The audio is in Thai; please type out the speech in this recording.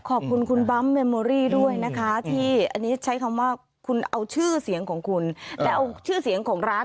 ขอบคุณคุณบัมเมมโมรี่ด้วยนะคะที่อันนี้ใช้คำว่าคุณเอาชื่อเสียงของคุณและเอาชื่อเสียงของร้าน